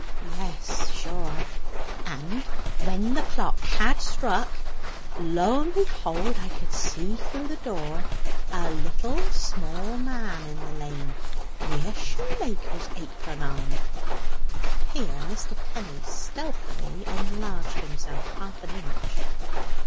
Yes, sure! and when the clock had struck, lo and behold, I could see through the door a little small man in the lane wi' a shoemaker's apron on." Here Mr. Penny stealthily enlarged himself half an inch.